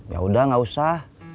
yaudah gak usah